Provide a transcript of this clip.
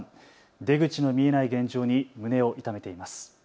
出口の見えない現状に胸を痛めています。